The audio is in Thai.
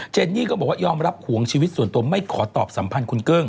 เนนี่ก็บอกว่ายอมรับห่วงชีวิตส่วนตัวไม่ขอตอบสัมพันธ์คุณเกิ้ง